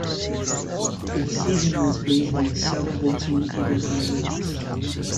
The decision was based on several voting irregularities.